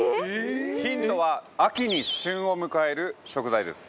ヒントは秋に旬を迎える食材です。